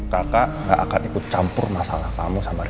kakak gak akan ikut campur masalah kamu sama